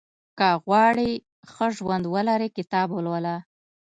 • که غواړې ښه ژوند ولرې، کتاب ولوله.